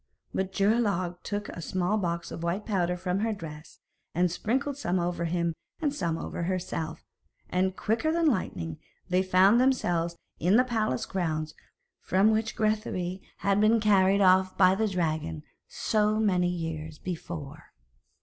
But Geirlaug took a small box of white powder from her dress, and sprinkled some over him and some over herself, and, quicker than lightning, they found themselves in the palace grounds from which Grethari had been carried off by the dragon so many years before.